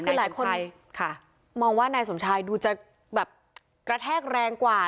คือหลายคนมองว่านายสมชายดูจะแบบกระแทกแรงกว่า